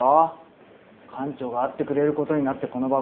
館長が会ってくれることになってこの場があるんだ。